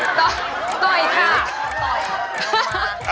ต่อยค่ะ